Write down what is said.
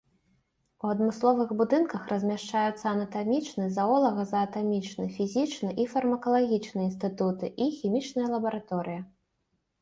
У адмысловых будынках размяшчаюцца анатамічны, заолага-заатамічны, фізічны і фармакалагічны інстытуты і хімічная лабараторыя.